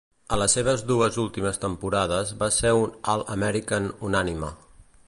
A les seves dues últimes temporades va ser un All-American unànime.